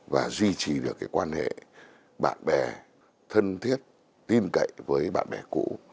và duy trì được cái quan hệ bạn bè thân thiết tin cậy với bạn bè cũ